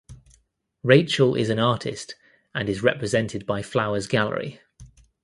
Rachel is an artist and is represented by Flowers Gallery.